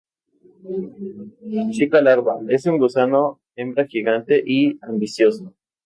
Chica Larva: Es un gusano hembra gigante y ambicioso.